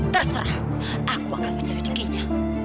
terserah aku akan menyelidikinya